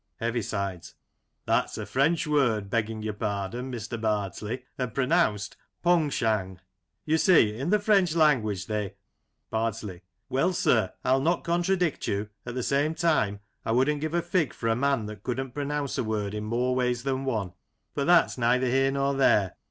Heavisides : That's a French word, begging your pardon, Mr. Bardsley, and pronounced pong shang. You see, in the French language they Bardsley : Well, sir, I'll not contradict you, at the same time I wouldn't give a fig for a man that couldn't pronounce a word in more ways than one. But that's neither here nor there.